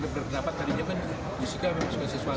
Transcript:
ketika dia menikah dia hanya berpikir bahwa dia suka menikah